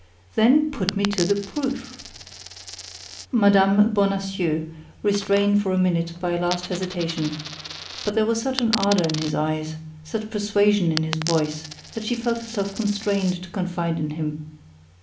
"Then, put me to the proof." Mme. Bonacieux looked at the young man, restrained for a minute by a last hesitation; but there was such an ardor in his eyes, such persuasion in his voice, that she felt herself constrained to confide in him.